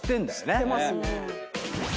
知ってますね。